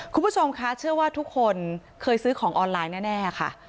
คุณผู้ชมคะเชื่อว่าทุกคนเคยซื้อของออนไลน์แน่ค่ะ